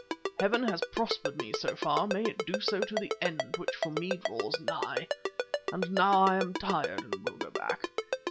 Heaven has prospered me so far—may it do so to the end, which for me draws nigh. And now I am tired and will go back.